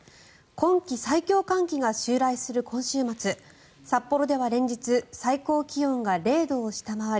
今季最強寒気が襲来する今週末札幌では連日最高気温が０度を下回り